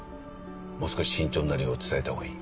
もう少し慎重になるよう伝えたほうがいい。